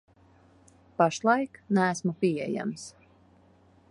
Pašlaik neesmu pieejams.